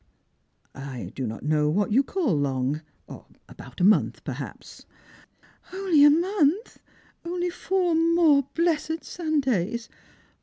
"" I do I'.ot know what you would call long. About a month, perhaps." " Only a month — only four more blessed Sundays